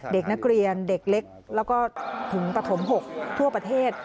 เด็กนักเรียนเด็กเล็กแล้วก็ถึงปฐม๖ทั่วประเทศ